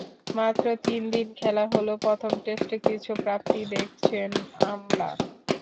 মাত্র তিন দিন খেলা হলেও প্রথম টেস্টে কিছু প্রাপ্তি দেখছেন আমলা।